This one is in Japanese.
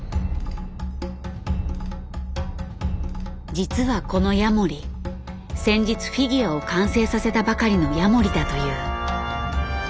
実はこのヤモリ先日フィギュアを完成させたばかりのヤモリだという。